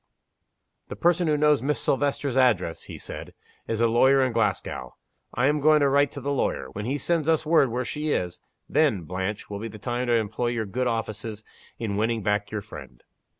"The person who knows Miss Silvester's address," he said, "is a lawyer in Glasgow. I am going to write to the lawyer. When he sends us word where she is then, Blanche, will be the time to employ your good offices in winning back your friend."